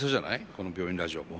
この「病院ラジオ」も。